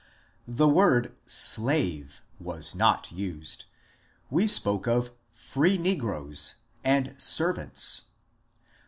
The word " slave " was not used. We spoke of " free ne groes '^ and ^^ servants."